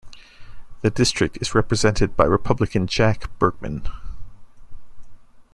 The district is represented by Republican Jack Bergman.